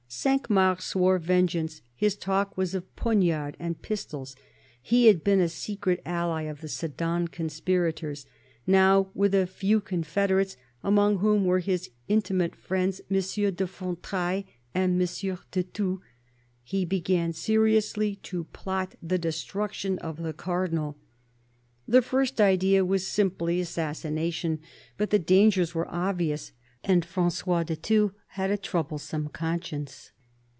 Cinq Mars swore vengeance ; his talk was of '* poniards and pistols." He had been a secret ally of the Sedan conspirators ; now, with a few confederates, among whom were his intimate friends M. de Fontrailles and M. de Thou, he began seriously to plot the destruction of the Cardinal. The first idea was simply assassination ; but the dangers were obvious, and Frangois de Thou had a troublesome conscience.